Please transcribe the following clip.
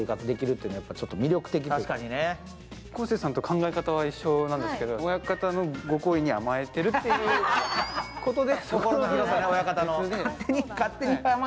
昴生さんと考え方は一緒なんですけど親方のご好意に甘えてるっていうことで。